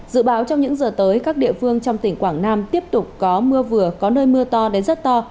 dự báo trong những giờ tới các địa phương trong tỉnh quảng nam tiếp tục có mưa vừa có nơi mưa to đến rất to